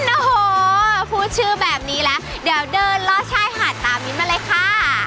โอ้โหพูดชื่อแบบนี้แล้วเดี๋ยวเดินล่อชายหาดตามมิ้นมาเลยค่ะ